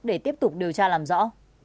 điều tra làm rõ